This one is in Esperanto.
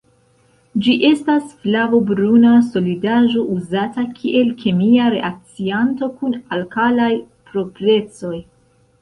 Ĝi estas flavo-bruna solidaĵo uzata kiel kemia reakcianto kun alkalaj proprecoj.